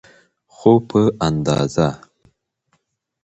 خو په اندازه.